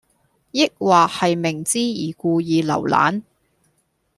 抑或係明知而故意留難?